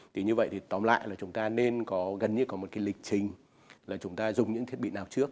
thì như vậy thì tóm lại là chúng ta nên có gần như có một cái lịch trình là chúng ta dùng những thiết bị nào trước